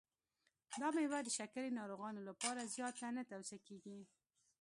دا مېوه د شکرې ناروغانو لپاره زیاته نه توصیه کېږي.